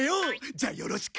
じゃあよろしく。